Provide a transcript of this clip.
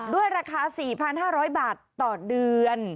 ด้วยราคา๔๕๐๐บาทต่อเดือน